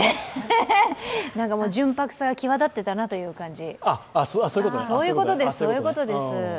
なんかもう純白さが際立っていたなという感じ。